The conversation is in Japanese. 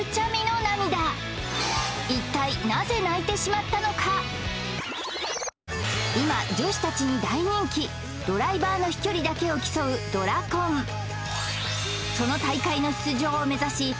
まずは一体今女子たちに大人気ドライバーの飛距離だけを競うドラコンその大会の出場を目指し